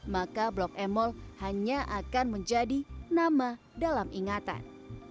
maka blok m mall hanya akan menjadi nama dalam ingatan